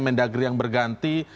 mendagri yang berganti